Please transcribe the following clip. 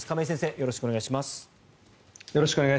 よろしくお願いします。